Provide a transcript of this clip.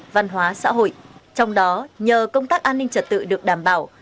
văn hóa xã hội trong đó nhờ công tác an ninh trật tự được đảm bảo